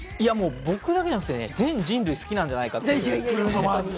僕だけじゃなくて、全人類好きなんじゃないかというね。